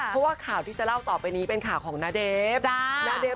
เพราะข่าวที่เราจะเล่าต่อไปนี้เป่ยข่าวของนาเดพ